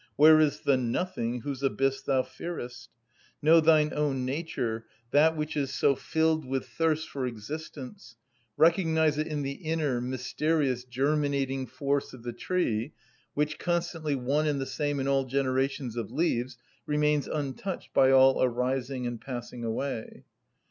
Where is the nothing whose abyss thou fearest? Know thine own nature, that which is so filled with thirst for existence; recognise it in the inner, mysterious, germinating force of the tree, which, constantly one and the same in all generations of leaves, remains untouched by all arising and passing away.